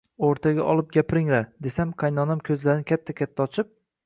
O`rtaga olib gapiringlar, desam, qaynonam ko`zlarini katta-katta ochib